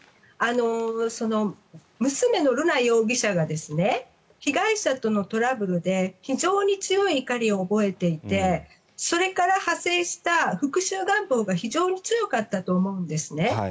娘の瑠奈容疑者が被害者とのトラブルで非常に強い怒りを覚えていてそれから派生した復しゅう願望が非常に強かったと思うんですね。